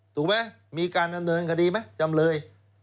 ถูกไหมมีการดำเนินคดีไหมจำเลย